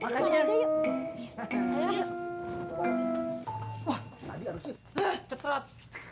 wah tadi harusnya cetrat